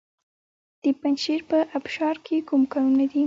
د پنجشیر په ابشار کې کوم کانونه دي؟